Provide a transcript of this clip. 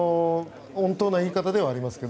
穏当な言い方ではありますが。